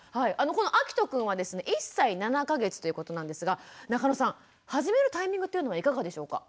このあきとくんはですね１歳７か月ということなんですが中野さん始めるタイミングというのはいかがでしょうか？